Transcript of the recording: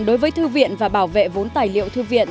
đối với thư viện và bảo vệ vốn tài liệu thư viện